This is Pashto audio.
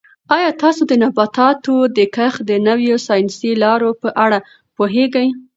آیا تاسو د نباتاتو د کښت د نویو ساینسي لارو په اړه پوهېږئ؟